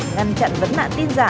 ngăn chặn vấn nạn tin giả